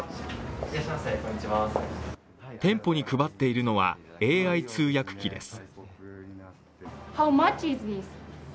店舗に配っているのはＡＩ通訳機です。